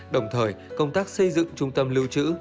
đồng thời công tác xây dựng trung tâm lưu trữ